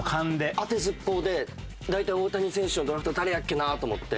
当てずっぽうで大体大谷選手のドラフト誰やっけな？と思って。